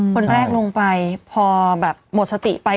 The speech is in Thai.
คนแรกลงไปพอแบบหมดสติไป